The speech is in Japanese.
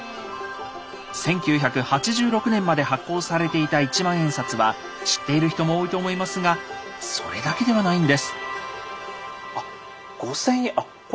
１９８６年まで発行されていた一万円札は知っている人も多いと思いますがそれだけではないんです。